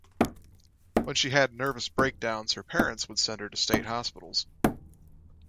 When she had nervous breakdowns, her parents would send her to state hospitals.